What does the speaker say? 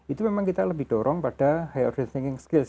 itu memang kita lebih dorong pada high over thinking skills